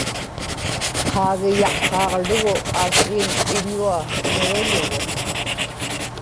qaagiyaqqaaġlugu aasiiñ iḷua niġiḷugu